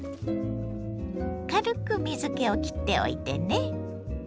軽く水けをきっておいてね。